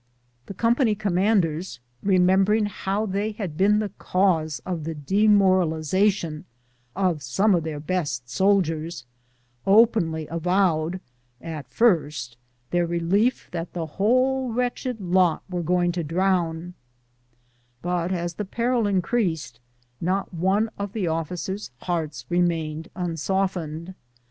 Tiie company commanders, remembering how they had been the cause of the demoralization of some of their best soldiers, openly avowed at first their relief that the whole wretched lot were about to drown ; but as the peril in creased, not one of the officers' hearts remained unsoft. ened.